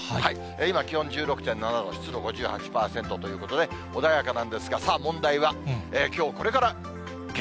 今、気温１６．７度、湿度５８％ということで、穏やかなんですが、さあ問題は、月食。